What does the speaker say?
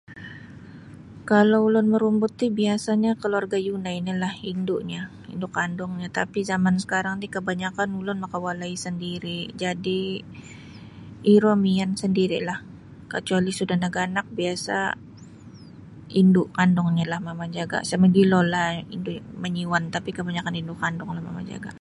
Kalau ulun marumbut ti biasanyo kaluarga' yunai no lah indunyo indu kandungnyo tapi' jaman sakarang ti kabanyakan ulun makawalai sandiri' jadi' iro miyan sandiri'lah kacuali' sudah naganak biasa' indu kandungnyolah mamajaga' isa mogilolah indu' mangiyuan tapi' kabanyakan indu' kandunglah mamajaga'